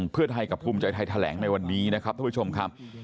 เพื่อไทยกับภูมิใจไทยแถลงในวันนี้นะครับท่านผู้ชมครับ